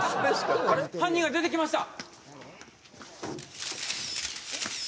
犯人が出てきました！